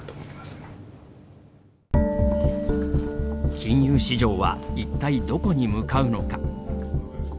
金融市場は、一体どこに向かうのか。